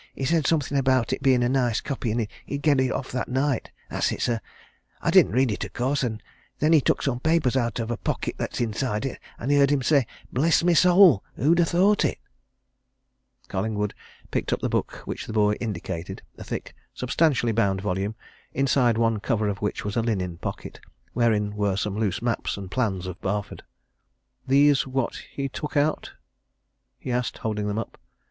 He said something about it being a nice copy, and he'd get it off that night that's it, sir: I didn't read it, of course. And then he took some papers out of a pocket that's inside it, and I heard him say 'Bless my soul who'd have thought it!'" Collingwood picked up the book which the boy indicated a thick, substantially bound volume, inside one cover of which was a linen pocket, wherein were some loose maps and plans of Barford. "These what he took out?" he asked, holding them up.